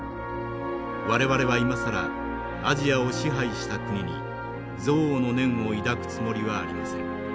我々は今更アジアを支配した国に憎悪の念を抱くつもりはありません。